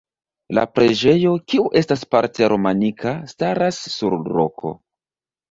La preĝejo, kiu estas parte romanika, staras sur roko.